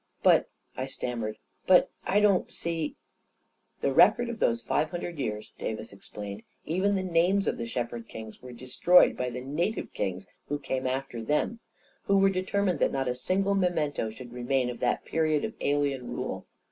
"But," I stammered; "but I don't see ..."" The records of those five hundred years," Davis explained, " even the names of the shepherd kings, were destroyed by the native kings who came after them, who were determined that not a single me mento should remain of that period of alien rule.